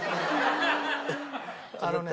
あのね。